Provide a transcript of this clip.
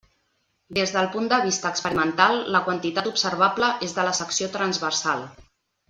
Des del punt de vista experimental la quantitat observable és de la secció transversal.